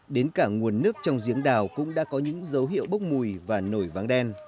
đến cả nguồn nước trong giếng đào cũng đã có những dấu hiệu bốc mùi và nổi váng đen